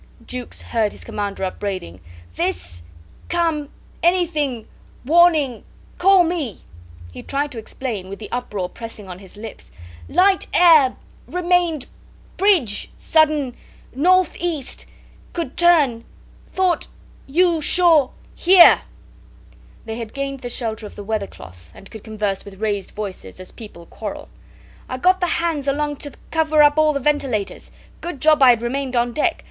Jukes heard his commander upbraiding. "This come anything warning call me." He tried to explain, with the uproar pressing on his lips. "Light air remained bridge sudden north east could turn thought you sure hear." They had gained the shelter of the weather cloth, and could converse with raised voices, as people quarrel. "I got the hands along to cover up all the ventilators. Good job I had remained on deck.